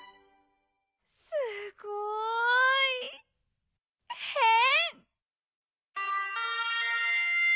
すごいへん！